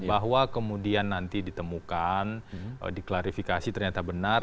bahwa kemudian nanti ditemukan diklarifikasi ternyata benar